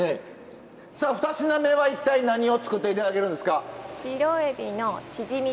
さあふた品目は一体何を作って頂けるんですか？